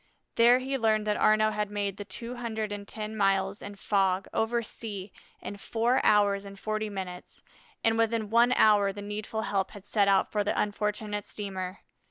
There he learned that Arnaux had made the two hundred and ten miles in fog, over sea, in four hours and forty minutes, and within one hour the needful help had set out for the unfortunate steamer.